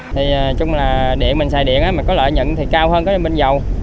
thì chung là điện mình xài điện mà có lợi nhận thì cao hơn cái bên dầu